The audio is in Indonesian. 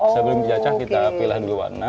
sebelum dicacah kita pilih dulu warna